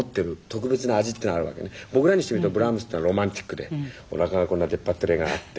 僕らにしてみるとブラームスってのはロマンチックでおなかがこんな出っ張ってる絵があって。